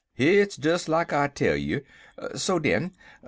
Hit's des like I tell you. So den!